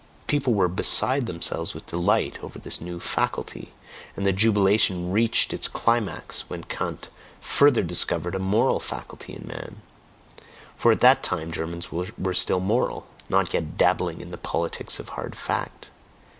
People were beside themselves with delight over this new faculty, and the jubilation reached its climax when Kant further discovered a moral faculty in man for at that time Germans were still moral, not yet dabbling in the "Politics of hard fact."